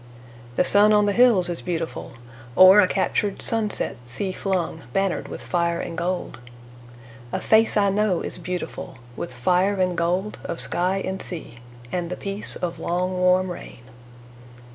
The sun on the hills is beautiful, Or a captured sunset sea flung, Bannered with fire and gold. A face I know is beautiful With fire and gold of sky and sea, And the peace of long warm rain.